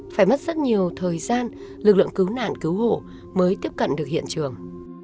phải mất rất nhiều thời gian lực lượng cứu nạn cứu hộ mới tiếp cận được hiện trường